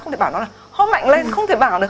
không thể bảo nó là ho mạnh lên không thể bảo được